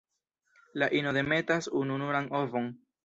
La ino demetas ununuran ovon.